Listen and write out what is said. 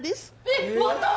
えっ！？